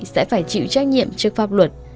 sẽ phải chịu trách nhiệm trước pháp luật